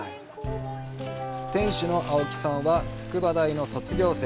店主の青木さんは筑波大の卒業生。